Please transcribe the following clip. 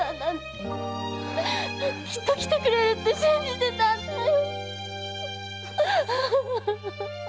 きっと来てくれるって信じてたんだよ！